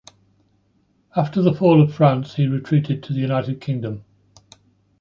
After the fall of France, he retreated to the United Kingdom.